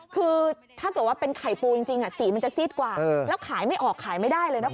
คือถ้าเกิดว่าเป็นไข่ปูจริงสีมันจะซีดกว่าแล้วขายไม่ออกขายไม่ได้เลยนะคุณ